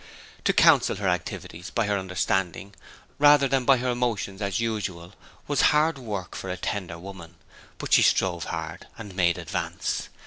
To counsel her activities by her understanding, rather than by her emotions as usual, was hard work for a tender woman; but she strove hard, and made advance.